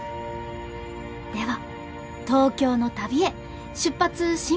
では東京の旅へ出発進行。